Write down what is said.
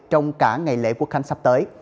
trong cả ngày lễ quốc hành sắp tới